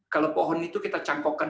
kalau pohon itu kita cangkokkan